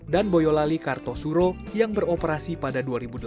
dan boyolali kartosuro yang beroperasi pada dua ribu delapan belas